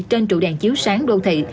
trên trụ đèn chiếu sáng đô thị